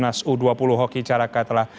nas u dua puluh hoki caraka telah